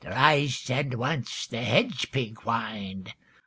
Thrice, and once the hedge pig whin'd.